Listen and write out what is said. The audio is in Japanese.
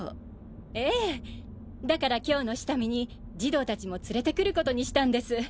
ええだから今日の下見に児童達も連れてくることにしたんです。